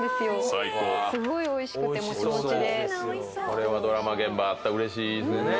それはドラマ現場あったらうれしいですね。